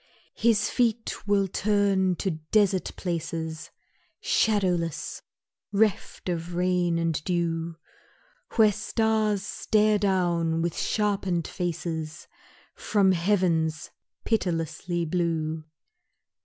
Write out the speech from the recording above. His feet will turn to desert places Shadowless, reft of rain and dew, Where stars stare down with sharpened faces From heavens pitilessly blue.